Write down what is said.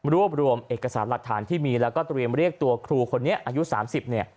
รวบรวมเอกสารหลักฐานที่มีแล้วก็เตรียมเรียกตัวครูคนนี้อายุ๓๐เนี่ย